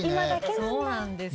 そうなんですよ。